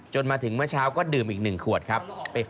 มาถึงเมื่อเช้าก็ดื่มอีก๑ขวดครับ